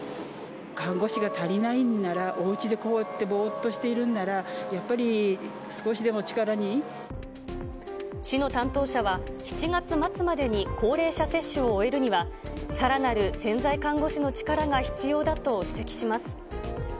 看護師が足りないんなら、おうちでこうやってぼーっとしているんなら、やっぱり少しでも力市の担当者は、７月末までに高齢者接種を終えるには、さらなる潜在看護師の力が必要だと指摘します。